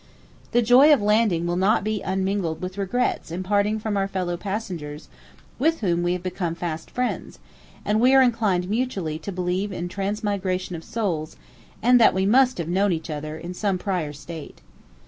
The joy of landing will not be unmingled with regrets in parting from our fellow passengers, with whom we have become fast friends; and we are inclined mutually to believe in transmigration of souls, and that we must have known each other in some prior state.